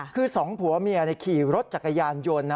คือสองผัวเมียขี่รถจักรยานยนต์